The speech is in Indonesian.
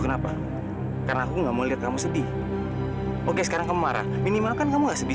kenapa karena aku nggak mau lihat kamu sedih oke sekarang kamu marah minimalkan kamu gak sedih